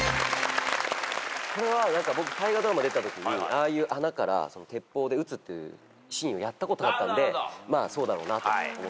これは僕大河ドラマ出てたときにああいう穴から鉄砲で撃つというシーンをやったことあったんでまあそうだろうなと。